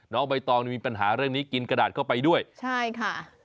ใบตองนี่มีปัญหาเรื่องนี้กินกระดาษเข้าไปด้วยใช่ค่ะ